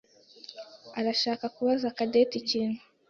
arashaka kubaza Cadette ikintu.